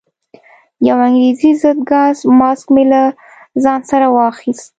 یو انګریزي ضد ګاز ماسک مې له ځان سره واخیست.